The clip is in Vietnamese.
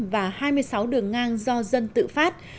các đường ngang do dân tự phát